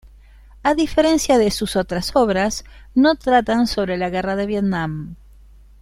A diferencia de sus otras obras, no tratan sobre la Guerra de Vietnam.